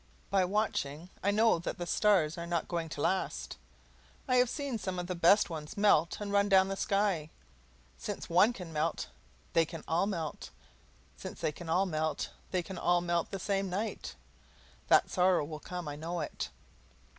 By watching, I know that the stars are not going to last. I have seen some of the best ones melt and run down the sky. Since one can melt, they can all melt; since they can all melt, they can all melt the same night. That sorrow will come I know it.